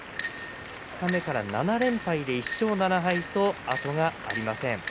二日目から７連敗で１勝７敗と後がありません。